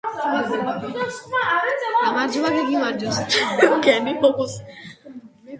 სწავლობდა მოსკოვის საერთაშორისო ურთიერთობების სახელმწიფო ინსტიტუტში და კარლ მარქსის სახელობის ბუდაპეშტის ეკონომიკურ უნივერსიტეტში.